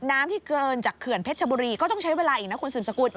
น้ำที่เกินจากเขื่อนเพชรชบุรีก็ต้องใช้เวลาอีกนะคุณสืบสกุล